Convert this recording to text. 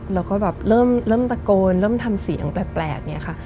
แล้วก็แบบเริ่มตะโกนเริ่มทำเสียงแปลกเนี่ยค่ะ